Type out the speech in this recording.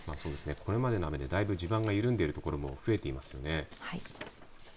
これまでの雨でだいぶ地盤が緩んでいるところも増えていますね。